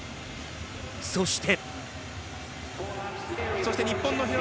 そして。